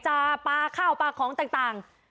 ปลาข้าวปลาของต่าง